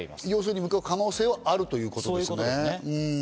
要するに可能性はあるということですね。